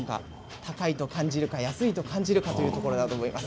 高いと感じるか安いと感じるかというところだと思います。